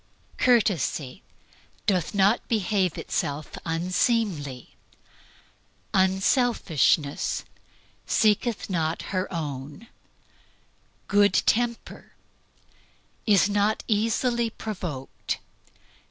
Courtesy "Doth not behave itself unseemly." Unselfishness "Seeketh not its own." Good temper "Is not provoked."